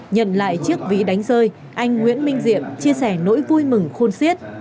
nhận lại chiếc ví đánh rơi anh nguyễn minh diệm chia sẻ nỗi vui mừng khôn siết